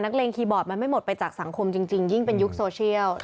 เล็งคีย์บอร์ดมันไม่หมดไปจากสังคมจริงยิ่งเป็นยุคโซเชียล